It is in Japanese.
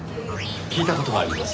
聞いた事があります。